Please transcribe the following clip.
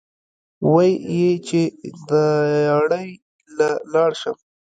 وې ئې چې " دیاړۍ له لاړ شم ـ